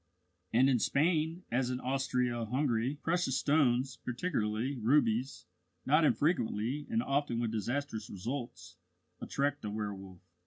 And in Spain, as in Austria Hungary, precious stones particularly rubies not infrequently, and often with disastrous results, attract the werwolf.